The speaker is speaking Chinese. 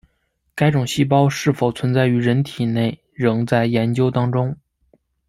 该种细胞是否存在于人体内仍在研究当中。